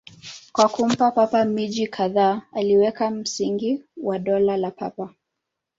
Kwa kumpa Papa miji kadhaa, aliweka msingi wa Dola la Papa.